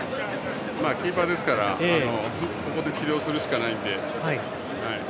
キーパーですからここで治療するしかないので。